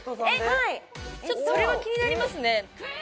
はいちょっとそれは気になりますね